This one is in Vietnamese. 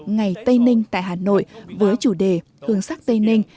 ngày tây ninh tại hà nội với chủ đề hương sắc tây ninh